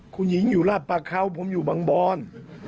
คุณหญิงอยู่ราชประเขาผมอยู่บางบอน